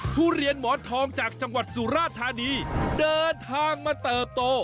ทุเรียนหมอนทองจากจังหวัดสุราธานีเดินทางมาเติบโต